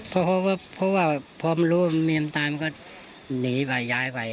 เพราะว่าพอมันรู้เนียนตามก็หนีไปย้ายไป